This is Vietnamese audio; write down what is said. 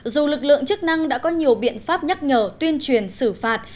dù lực lượng chức năng đã có nhiều biện pháp nhắc nhở tuyên truyền xử phạt